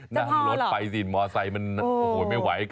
นั่งรถไปสิมอไซค์มันโอ้โหไม่ไหว